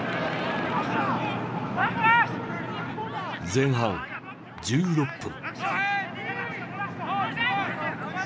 前半１６分。